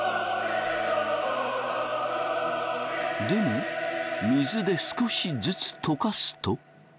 でも水で少しずつ溶かすと。